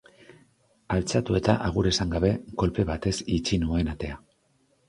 Altxatu eta, agur esan gabe, kolpe batez itxi nuen atea.